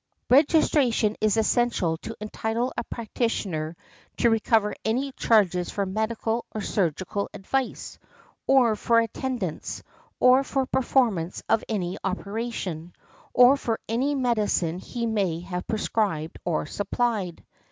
Registration is essential to entitle a practitioner to recover any charges for medical or surgical advice, or for attendance, or for performance of any operation, or for any medicine he may have prescribed or supplied.